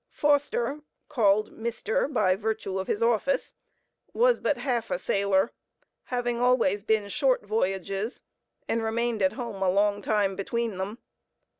Foster (called Mr. by virtue of his office) was but half a sailor, having always been short voyages and remained at home a long time between them.